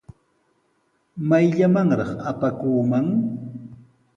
¿Mayllamanraq pakakuuman?